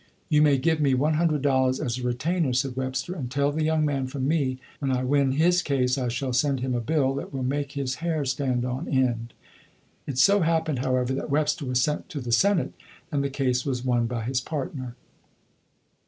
"You may give me one hundred dollars as a retainer," said Webster, "and tell the young man, from me, that when I win his case I shall send him a bill that will make his hair stand on end." It so happened, however, that Webster was sent to the Senate, and the case was won by his partner.